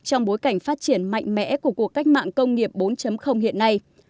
trong bối cảnh phát triển mạnh mẽ của cuộc cách mạng công nghiệp bốn hiện nay